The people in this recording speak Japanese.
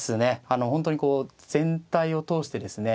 あの本当にこう全体を通してですね